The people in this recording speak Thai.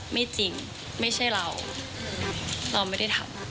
ไม่จริงไม่ใช่เราเราไม่ได้ทำ